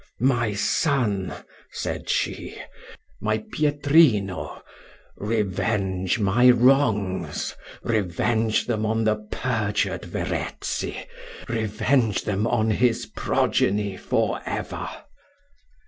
My son, said she, my Pietrino, revenge my wrongs revenge them on the perjured Verezzi revenge them on his progeny for ever.